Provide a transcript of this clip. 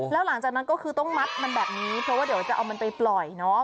แล้วหลังจากนั้นก็คือต้องมัดมันแบบนี้เพราะว่าเดี๋ยวจะเอามันไปปล่อยเนาะ